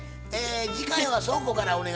次回は倉庫からお願いします。